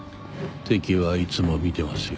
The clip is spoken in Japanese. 敵はいつも見てますよ。